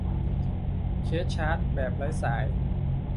เคสชาร์จแบบไร้สาย